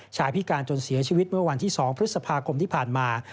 พิการจนเสียชีวิตเมื่อวันที่๒พฤษภาคมที่ผ่านมา